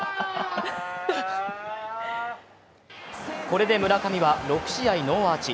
これで村上は６試合ノーアーチ。